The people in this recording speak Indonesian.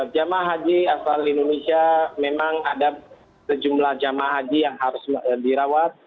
jemaah haji asal indonesia memang ada sejumlah jamaah haji yang harus dirawat